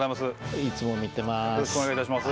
いつも見てます。